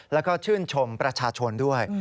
แล้วก็ชื่นชมประชาชนด้วย